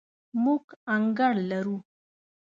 موږ انګړ لرو